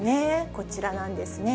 こちらなんですね。